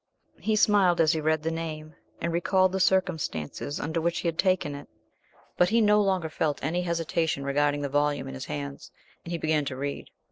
He smiled as he read the name and recalled the circumstances under which he had taken it, but he no longer felt any hesitation regarding the volume in his hands, and he began to read.